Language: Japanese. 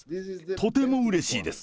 とてもうれしいです。